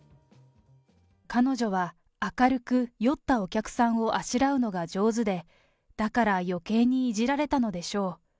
彼女は明るく、酔ったお客さんをあしらうのが上手で、だから余計にいじられたのでしょう。